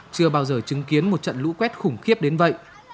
chưa bao giờ chứng kiến một trận lũ quét khủng khiếp đến vậy